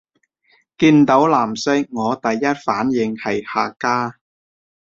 見到藍色我第一反應係客家